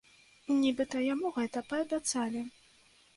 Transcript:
Нібыта яму гэта паабяцалі.